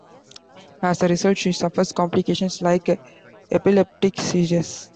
As a result, she suffers complications like epileptic seizures.